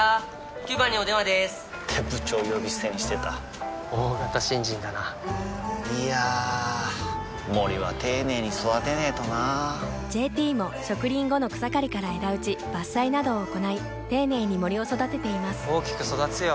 ９番にお電話でーす！って部長呼び捨てにしてた大型新人だないやー森は丁寧に育てないとな「ＪＴ」も植林後の草刈りから枝打ち伐採などを行い丁寧に森を育てています大きく育つよ